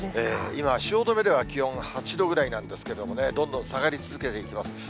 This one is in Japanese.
今は汐留では気温８度ぐらいなんですけどもね、どんどん下がり続けていきます。